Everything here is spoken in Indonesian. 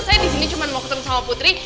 saya disini cuma mau ketemu putri